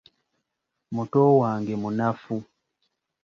Muto Wange munafu.